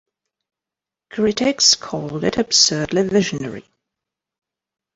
Critics called it absurdly visionary.